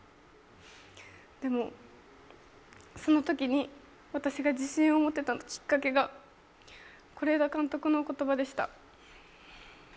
でも、そのときに私が自信を持てたきっかけが是枝監督のお言葉でした。